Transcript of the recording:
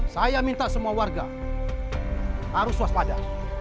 saya minta semua warga harus waspada